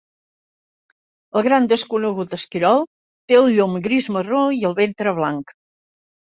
El gran desconegut esquirol té el llom gris-marró i el ventre blanc.